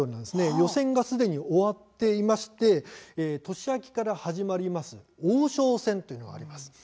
予選がすでに終わっていて年明けから始まる王将戦というのがあります。